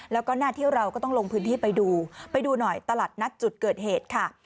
แล้วก็หน้าที่เราก็ต้องลงพื้นที่ไปดูไปดูหน่อยตลาดนัดจุดเกิดเหตุค่ะ